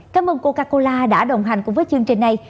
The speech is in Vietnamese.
cảm ơn coca cola đã đồng hành cùng với chương trình này